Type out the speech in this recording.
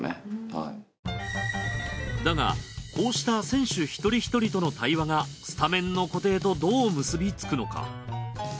だがこうした選手１人１人との対話がスタメンの固定とどう結びつくのか？